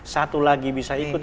satu lagi bisa ikut